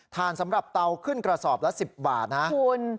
สำหรับเตาขึ้นกระสอบละ๑๐บาทนะคุณ